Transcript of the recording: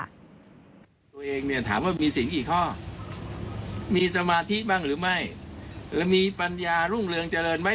ตัวเองเนี่ยถามว่ามีเสียงกี่ข้อมีสมาธิบ้างหรือไม่แล้วมีปัญญารุ่งเรืองเจริญไหม